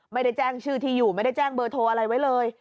ไม่ได้แจ้งชื่อที่อยู่ไม่ได้แจ้งเบอร์โทรอะไรไว้เลย